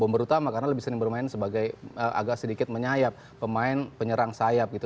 bomber utama karena lebih sering bermain sebagai agak sedikit menyayap pemain penyerang sayap gitu